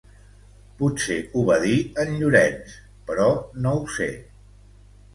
Potser ho va dir en Llorenç, però no ho sé.